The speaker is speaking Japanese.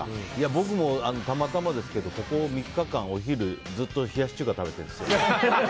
僕もたまたまですが、ここ３日間お昼はずっと冷やし中華を食べてるんですよ。